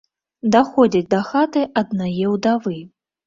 Даходзяць да хаты аднае ўдавы.